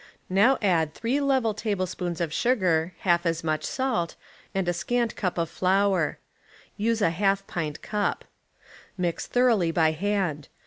Now add three level tablespo(ms of sugar, half as much salt, and a scant cup t)f Hour. Use a half pint cup. Mix thoroughly by hand.